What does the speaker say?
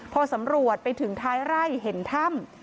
พอสำรวจไปถึงท้ายไร่เห็นถ้ำ